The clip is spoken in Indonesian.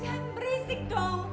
jangan berisik dong